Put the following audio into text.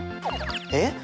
えっ？